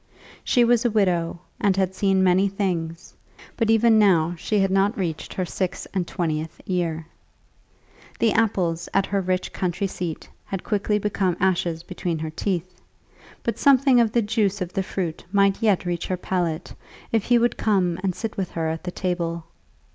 She was a widow, and had seen many things, but even now she had not reached her six and twentieth year. The apples at her rich country seat had quickly become ashes between her teeth, but something of the juice of the fruit might yet reach her palate if he would come and sit with her at the table.